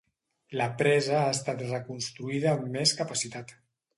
La presa ha estat reconstruïda amb més capacitat.